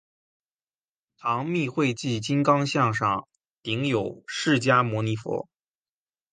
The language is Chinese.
唐密秽迹金刚像上顶有释迦牟尼佛。